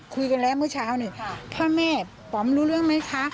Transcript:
คุยกันแล้วเมื่อเช้าเนี่ยพ่อแม่ป๋อมรู้เรื่องไหมคะ